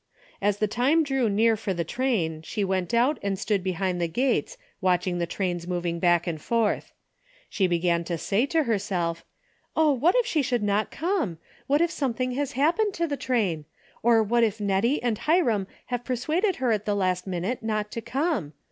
As the time drew near for the train she went out and stood behind the gates watching the trains moving back and forth. She began DAILY RATE." 127 to say to herself, " Oh, what if she should not come? What if something has happened to the train ? Or what if Nettie and Hiram have persuaded her at the last minute not to come